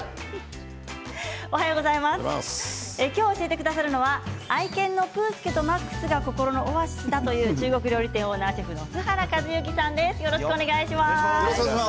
今日教えてくださるのは愛犬のぷーすけとマックスが心のオアシスだという中国料理店オーナーシェフの栖原一之さんです。